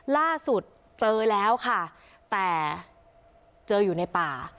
ล่าสุดเจอแล้วค่ะแต่เจออยู่ในป่า